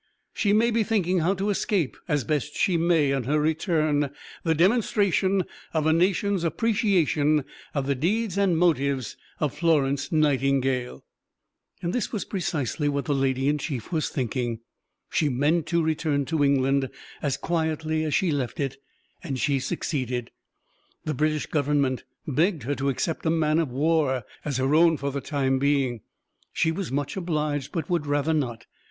She may be thinking how to escape, as best she may, on her return, the demonstration of a nation's appreciation of the deeds and motives of Florence Nightingale." This was precisely what the Lady in Chief was thinking. She meant to return to England as quietly as she left it; and she succeeded. The British Government begged her to accept a man of war as her own for the time being; she was much obliged, but would rather not.